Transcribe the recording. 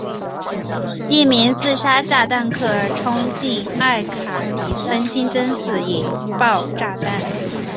一名自杀炸弹客冲入了艾卡迪村清真寺引爆炸弹。